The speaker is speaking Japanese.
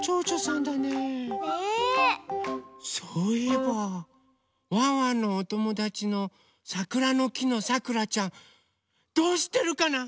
そういえばワンワンのおともだちのさくらのきのさくらちゃんどうしてるかな？